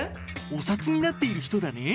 お札になっている人だね。